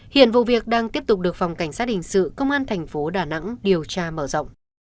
hiện vụ việc đang tiếp tục được phòng cảnh sát hình sự công an thành phố đà nẵng điều tra mở rộng